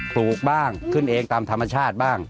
ลูกบ้างขึ้นเองตามธรรมชาติบ้าง